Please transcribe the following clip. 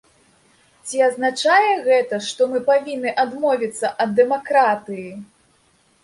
Ці азначае гэта, што мы павінны адмовіцца ад дэмакратыі?